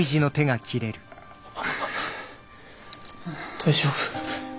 大丈夫？